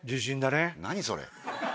何それ。